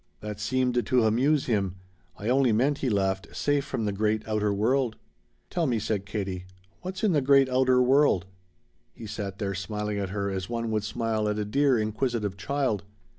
That seemed to amuse him. "I only meant," he laughed, "safe from the great outer world." "Tell me," said Katie, "what's in the great outer world?" He sat there smiling at her as one would smile at a dear inquisitive child.